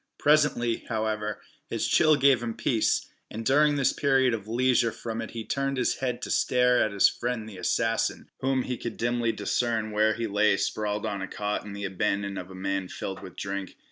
Presently, however, his chill gave him peace, and during this period of leisure from it he turned his head to stare at his friend the assassin, whom he could dimly discern where he lay sprawled on a cot in the abandon of a man filled with drink.